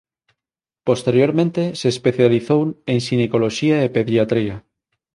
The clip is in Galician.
Posteriormente se especializou en Xinecoloxía e Pediatría.